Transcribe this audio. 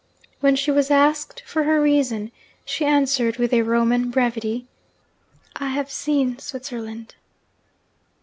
When she was asked for her reason, she answered with a Roman brevity, 'I have seen Switzerland.'